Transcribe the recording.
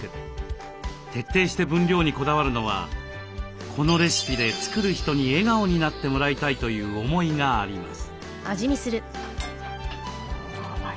徹底して分量にこだわるのはこのレシピで作る人に笑顔になってもらいたいという思いがあります。